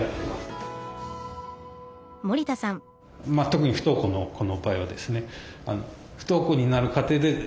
特に不登校の子の場合はですね